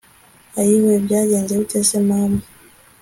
Ayiwee byagenze bite se mama